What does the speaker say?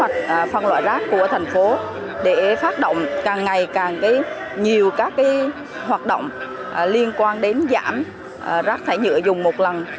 để cung cấp các dụng cụ cũng như trang thiết bị để phát động càng ngày càng nhiều các hoạt động liên quan đến giảm rác thải nhựa dùng một lần